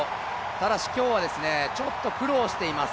ただし今日はちょっと苦労しています。